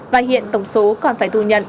và hiện tổng số còn phải thu nhận